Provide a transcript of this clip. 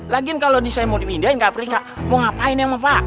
lagian kalau ini saya mau dipindahin ke afrika mau ngapain emang pak